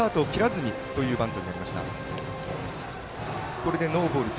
これでノーボール２